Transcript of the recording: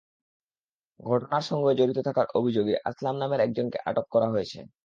ঘটনার সঙ্গে জড়িত থাকার অভিযোগে আসলাম নামের একজনকে আটক করা হয়েছে।